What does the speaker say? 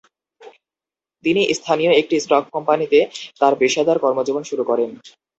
তিনি স্থানীয় একটি স্টক কোম্পানিতে তার পেশাদার কর্মজীবন শুরু করেন।